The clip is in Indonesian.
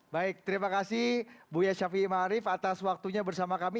baik terima kasih buya syafiee ma'arif atas waktunya bersama kami